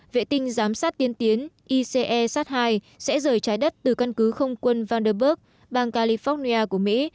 vệ tinh giám sát tiên tiến ice hai sẽ rời trái đất từ căn cứ không quân vanderburg bang california của mỹ